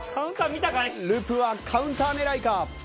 Ｌｕｐはカウンター狙いか？